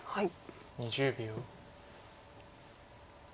２０秒。